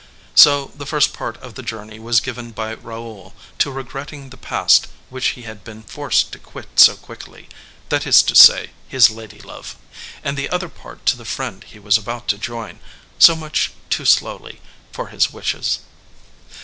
So the first part of the journey was given by Raoul to regretting the past which he had been forced to quit so quickly, that is to say, his lady love; and the other part to the friend he was about to join, so much too slowly for his wishes.